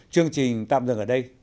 chương trình tạm dừng ở đây